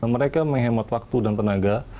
mereka menghemat waktu dan tenaga